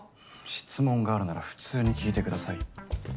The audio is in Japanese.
質問があるなら普通に聞いてください。